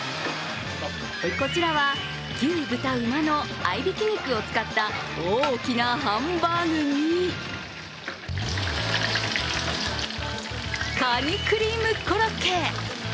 こちらは牛豚馬の合いびき肉を使った、大きなハンバーグにカニクリームコロッケ。